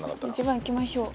１番いきましょう。